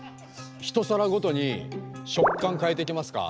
一皿ごとに食感変えていきますか？